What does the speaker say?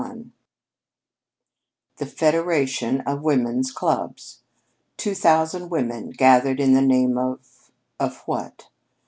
XXXI The Federation of Women's Clubs! Two thousand women gathered in the name of what?